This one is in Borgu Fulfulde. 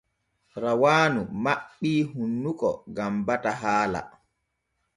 Rawaanu maɓɓii hunnuko gam bata haala.